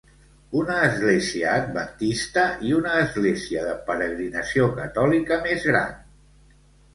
Una Església Adventista i una Església de peregrinació catòlica més gran.